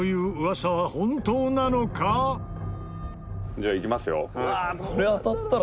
「じゃあいきますよ」